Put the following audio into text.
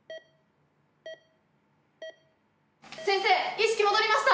意識戻りました！